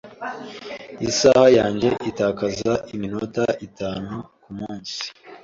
Isaha yanjye itakaza iminota itanu kumunsi.